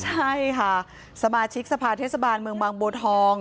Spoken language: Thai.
ใช่ค่ะสมาชิกสภาเทศบาลเมืองบางบัวทอง